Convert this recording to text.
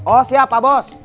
oh siap pak bos